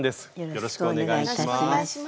よろしくお願いします。